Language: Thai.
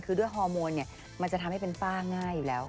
คือด้วยฮอร์โมนเนี่ยมันจะทำให้เป็นฝ้าง่ายอยู่แล้ว